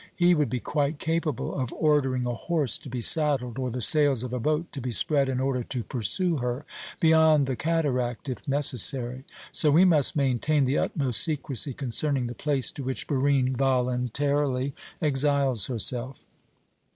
He would be quite capable of ordering a horse to be saddled, or the sails of a boat to be spread in order to pursue her beyond the Cataract if necessary. So we must maintain the utmost secrecy concerning the place to which Barine voluntarily exiles herself."